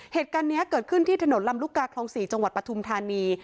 เหตุการณ์นี้เกิดขึ้นที่ถนนลำลูกกาคลอง๔จังหวัดปฐุมธานี